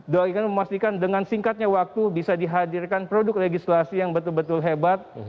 doa ingin memastikan dengan singkatnya waktu bisa dihadirkan produk legislasi yang betul betul hebat